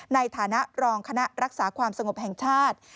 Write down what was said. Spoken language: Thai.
ในฐานะรองคณะรักษาความสงบแห่งชาติ